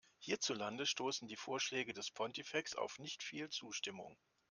Hierzulande stoßen die Vorschläge des Pontifex auf nicht viel Zustimmung.